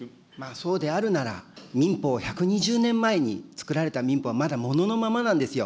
そうであるなら、民法、１２０年前につくられた民法はまだもののままなんですよ。